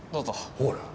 ほら。